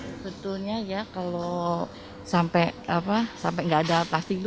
sebetulnya ya kalau sampai nggak ada plastik itu